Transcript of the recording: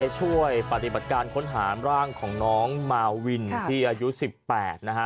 ช่วยปฏิบัติการค้นหาร่างของน้องมาวินที่อายุ๑๘นะฮะ